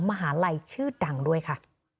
มหาลัยชื่อดังด้วยค่ะ